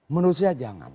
menurut saya jangan